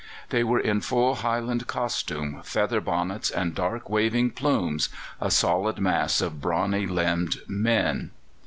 They were in full Highland costume, feather bonnets and dark waving plumes a solid mass of brawny limbed men.